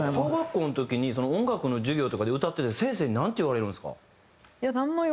小学校の時に音楽の授業とかで歌ってて先生になんて言われるんですか？